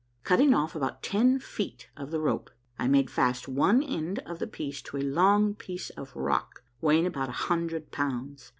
Cutting off about ten feet of the rope, I made fast one end of the piece to a long piece of rock, weighing about a hundred pounds.